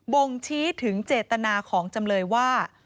บ่งชี้ถึงเจตนาของจำเลยว่า